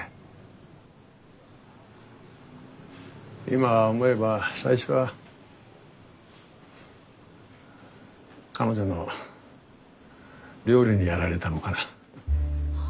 今思えば最初は彼女の料理にやられたのかな。